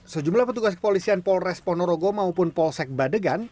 sejumlah petugas kepolisian polres ponorogo maupun polsek badegan